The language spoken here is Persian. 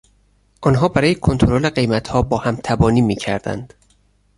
آنها برای کنترل قیمتها با هم تبانی میکردند.